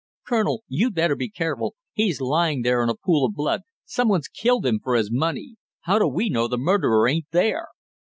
"Colonel, you'd better be careful, he's lying there in a pool of blood; some one's killed him for his money! How do we know the murderer ain't there!"